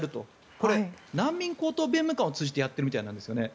これ、難民高等弁務官を通じてやってるみたいなんですね。